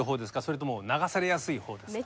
それとも流されやすいほうですか？